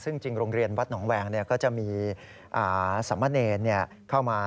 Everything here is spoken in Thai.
ซึ่งจริงวัดหนองแหวงก็จะมีสมเนญเข้ามา